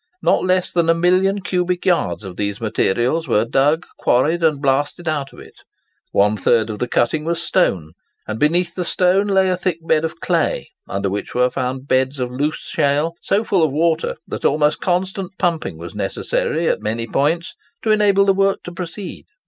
Not less than a million cubic yards of these materials were dug, quarried, and blasted out of it. One third of the cutting was stone, and beneath the stone lay a thick bed of clay, under which were found beds of loose shale so full of water that almost constant pumping was necessary at many points to enable the works to proceed.